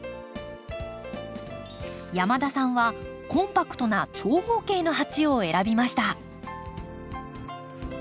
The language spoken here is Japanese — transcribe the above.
山田さんはコンパクトな長方形の鉢を選びました。